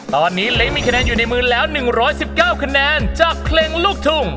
ตอนนี้เล้งมีคะแนนอยู่ในมือแล้ว๑๑๙คะแนนจากเพลงลูกทุ่ง